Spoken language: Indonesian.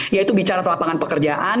yaitu bicara soal lapangan pekerjaan